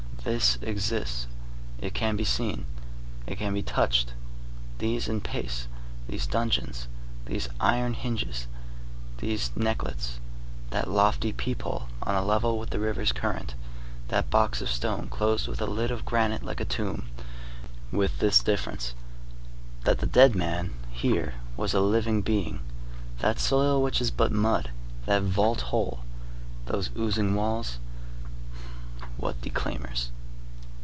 This exists. It can be seen. It can be touched. These in pace, these dungeons, these iron hinges, these necklets, that lofty peep hole on a level with the river's current, that box of stone closed with a lid of granite like a tomb, with this difference, that the dead man here was a living being, that soil which is but mud, that vault hole, those oozing walls,—what declaimers!